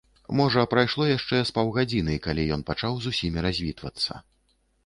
Можа, прайшло яшчэ з паўгадзіны, калі ён пачаў з усімі развітвацца.